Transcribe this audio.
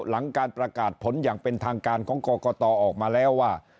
หลังการประกาศผลอย่างเป็นทางการของกรกตออกมาแล้วว่า